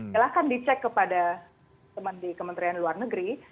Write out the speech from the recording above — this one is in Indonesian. silahkan dicek kepada teman di kementerian luar negeri